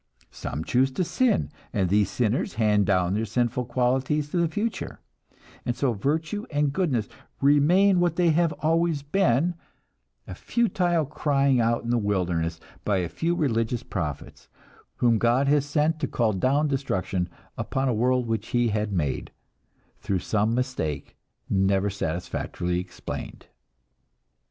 Some choose to sin, and these sinners hand down their sinful qualities to the future; and so virtue and goodness remain what they have always been, a futile crying out in the wilderness by a few religious prophets, whom God has sent to call down destruction upon a world which He had made through some mistake never satisfactorily explained!